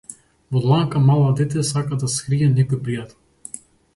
Во дланка мала дете сака да скрие некој пријател.